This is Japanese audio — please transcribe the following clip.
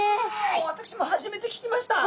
私も初めて聞きました。